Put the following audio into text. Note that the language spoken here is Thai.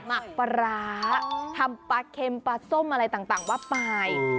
หมักปลาร้าทำปลาเค็มปลาส้มอะไรต่างว่าไป